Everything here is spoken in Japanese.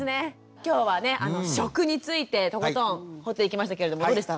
今日はね食についてとことん掘っていきましたけれどもどうでした？